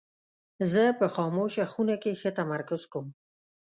زه په خاموشه خونه کې ښه تمرکز کوم.